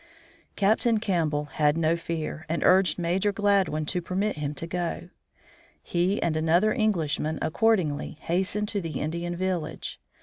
Captain Campbell had no fear, and urged Major Gladwin to permit him to go. He and another Englishman, accordingly, hastened to the Indian village.